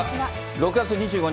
６月２５日